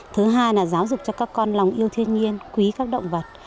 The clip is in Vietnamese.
thứ hai là giáo dục cho các con lòng yêu thiên nhiên quý các động vật